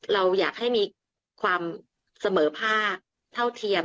เราอยากให้มีความเสมอภาคเท่าเทียม